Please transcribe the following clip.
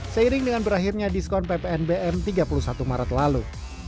seiring dengan berakhirnya diskon ppnbm tiga puluh satu maret lalu